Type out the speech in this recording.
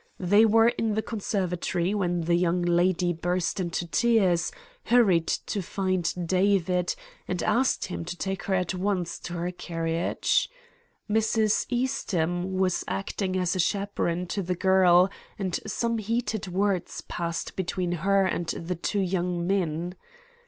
They were in the conservatory when the young lady burst into tears, hurried to find David, and asked him to take her at once to her carriage. Mrs. Eastham was acting as chaperon to the girl, and some heated words passed between her and the two young men.